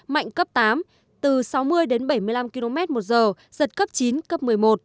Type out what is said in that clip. mạnh cấp tám từ sáu mươi đến bảy mươi năm km một giờ giật cấp chín cấp một mươi một